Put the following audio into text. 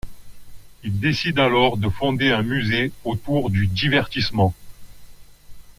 Ils décident alors de fonder un musée autour du divertissement.